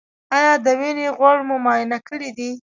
ایا د وینې غوړ مو معاینه کړي دي؟